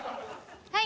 はい！